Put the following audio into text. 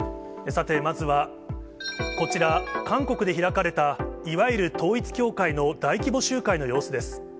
さてまずは、こちら、韓国で開かれた、いわゆる統一教会の大規模集会の様子です。